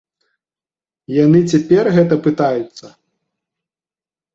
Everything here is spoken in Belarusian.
Яны цяпер гэта пытаюцца?